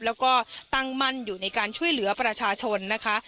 แล้วก็ตั้งมั่นอยู่ในการช่วยเหลือประชาชนนะคะ